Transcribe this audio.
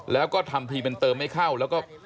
แล้วก็ทำทีเป็นเติมไม่เข้าแล้วก็